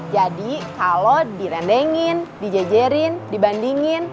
jadi kalau direndengin dijajerin dibandingin